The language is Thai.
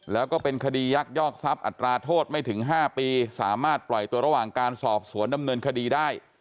แล้วก็เป็นคดียักยอกทรัพย์อัตราโทษไม่ถึง๕ปีสามารถปล่อยตัวระหว่างการสอบสวนดำเนินคดีได้